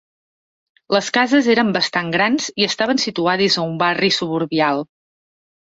Les cases eren bastant grans i estaven situades a un barri suburbial.